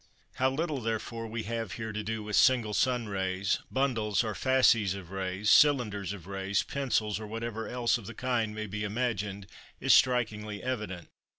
How little therefore we have here to do with single sun rays, bundles or fasces of rays, cylinders of rays, pencils, or whatever else of the kind may be imagined, is strikingly evident.